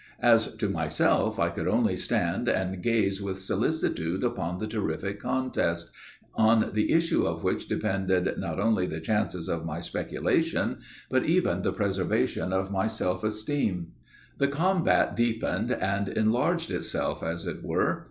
As to myself, I could only stand and gaze with solicitude upon the terrific contest, on the issue of which depended not only the chances of my speculation, but even the preservation of my self esteem. "The combat deepened and enlarged itself, as it were.